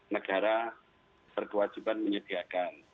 negara berkewajiban menyediakan